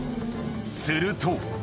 すると。